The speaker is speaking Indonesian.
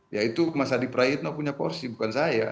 yaitu mas hadi prairno punya policy bukan saya